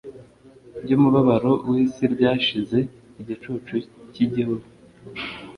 ryumubabaro wisi ryashize igicucu cyigihu